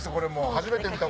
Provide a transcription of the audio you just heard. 初めて見た。